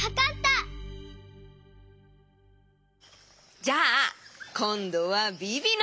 じゃあこんどはビビのばん。